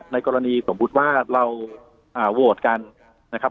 ในกรณีสมมุติว่าเราโหวตกันนะครับ